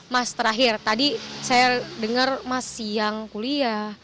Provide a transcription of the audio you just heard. mas terakhir tadi saya dengar mas siang kuliah